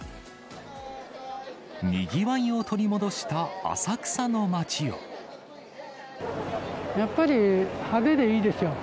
にぎわいを取り戻した浅草のやっぱり派手でいいですよ。